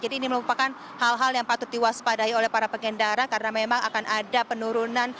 jadi ini merupakan hal hal yang patut diwaspadai oleh para pengendara karena memang akan ada penurunan